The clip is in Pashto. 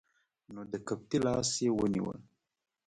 نو د قبطي لاس یې ونیوه.